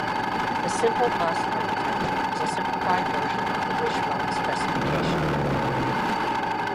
The Simple Bus Architecture is a simplified version of the Wishbone specification.